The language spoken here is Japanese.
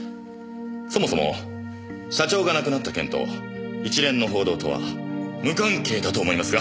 そもそも社長が亡くなった件と一連の報道とは無関係だと思いますが。